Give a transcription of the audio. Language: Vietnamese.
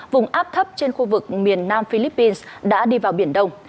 vùng áp thấp trên khu vực miền nam philippines đã đi vào biển đông